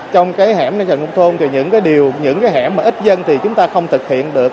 trong cái hẻm lân cận nông thôn thì những cái điều những cái hẻm mà ít dân thì chúng ta không thực hiện được